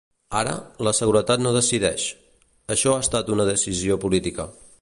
Ara, la seguretat no decideix; això ha estat una decisió política.